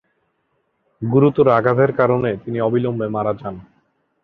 গুরুতর আঘাতের কারণে তিনি অবিলম্বে মারা যান।